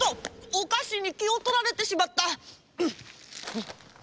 おかしにきをとられてしまった！